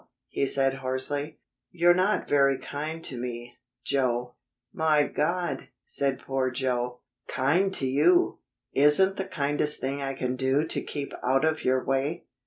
he said hoarsely. "You're not very kind to me, Joe." "My God!" said poor Joe. "Kind to you! Isn't the kindest thing I can do to keep out of your way?"